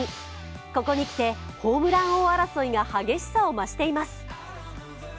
ここにきてホームラン王争いが激しさを増しています。